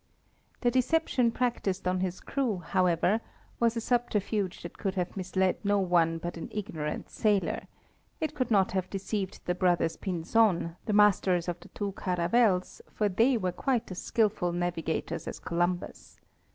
The decep tion practiced on his crew, however, was a subterfuge that could have misled no one but an ignorant sailor; it could not have deceived the brothers Pinzon, the masters of the two caravels, for they were quite as skillful navigators as Columbus.